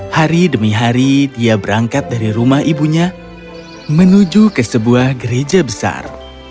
hari demi hari dia berangkat dari rumah ibunya menuju ke sebuah gereja besar